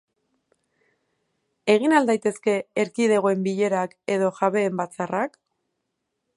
Egin al daitezke erkidegoen bilerak edo jabeen batzarrak?